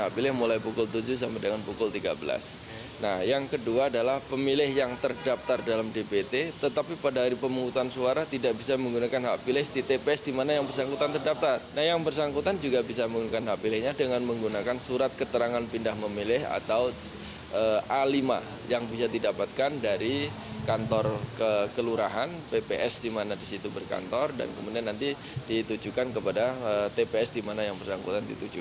pindah memilih atau a lima yang bisa didapatkan dari kantor kekelurahan pps di mana di situ berkantor dan kemudian nanti ditujukan kepada tps di mana yang berangkutan dituju